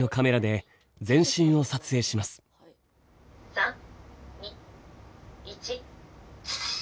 「３２１」。